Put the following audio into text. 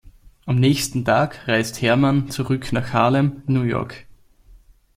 Am nächsten Tag reist Herman zurück nach Harlem, New York.